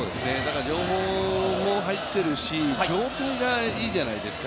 情報も入っているし、状態がいいじゃないですか。